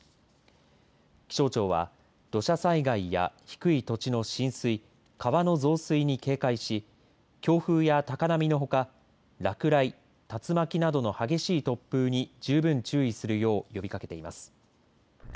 気象庁は土砂災害や低い土地の浸水川の増水に警戒し強風や高波のほか落雷竜巻などの激しい突風に十分注意するよう呼びかけています。